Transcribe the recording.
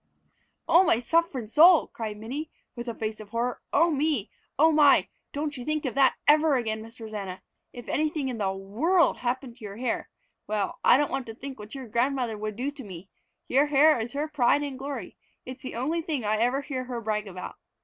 "Oh, my sufferin' soul!" cried Minnie, with a face of horror. "Oh me, oh my! Don't you think of that ever again, Miss Rosanna! If anything in the world happened to your hair, well, I don't want to think what your grandmother would do to me. Your hair is her pride and glory. It is the only thing I ever heard her brag about.